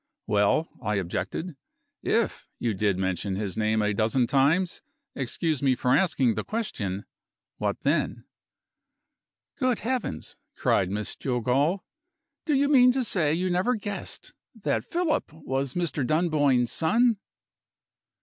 "Well," I objected, "if you did mention his name a dozen times excuse me for asking the question what then?" "Good heavens!" cried Miss Jillgall, "do you mean to say you never guessed that Philip was Mr. Dunboyne's son?"